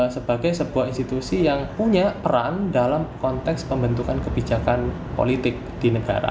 sebagai sebuah institusi yang punya peran dalam konteks pembentukan kebijakan politik di negara